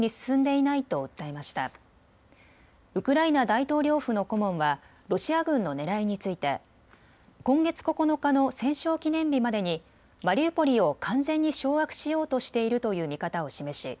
大統領府の顧問はロシア軍のねらいについて今月９日の戦勝記念日までにマリウポリを完全に掌握しようとしているという見方を示し